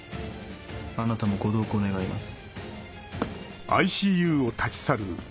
あなたもご同行願います。